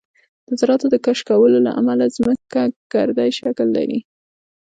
د ذراتو د کشکولو له امله ځمکه ګردی شکل لري